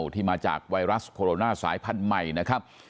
ที่มาจากไวรัสโคโรนาสายพันธุ์ใหม่นะครับ